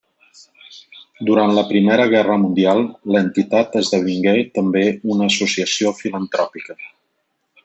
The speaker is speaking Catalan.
Durant la Primera Guerra Mundial l'entitat esdevingué també una associació filantròpica.